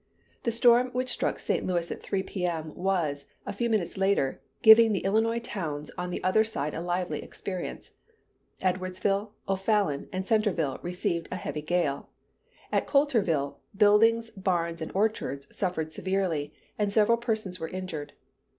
The storm which struck St. Louis at 3 P.M., was, a few minutes later, giving the Illinois towns on the other side a lively experience. Edwardsville, O'Fallon and Centerville received a heavy gale. At Coulterville, buildings, barns, and orchards suffered severely, and several persons were injured.